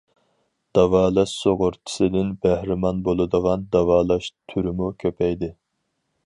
داۋالاش سۇغۇرتىسىدىن بەھرىمەن بولىدىغان داۋالاش تۈرىمۇ كۆپەيدى.